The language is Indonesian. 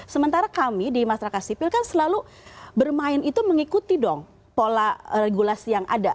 sementara kami di masyarakat sipil kan selalu bermain itu mengikuti dong pola regulasi yang ada